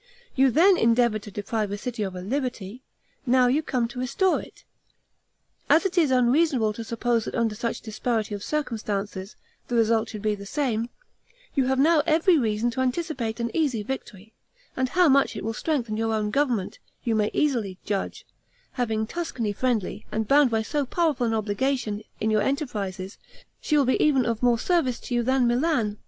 You then endeavored to deprive a city of her liberty, now you come to restore it. As it is unreasonable to suppose that under such disparity of circumstances, the result should be the same, you have now every reason to anticipate an easy victory; and how much it will strengthen your own government, you may easily judge; having Tuscany friendly, and bound by so powerful an obligation, in your enterprises, she will be even of more service to you than Milan.